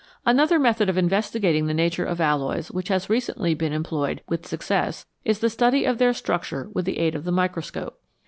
Another method of investigating the nature of alloys which has recently been employed with success is the 80 TWO METALS BETTER THAN ONE study of their structure with the aid of the micro scope.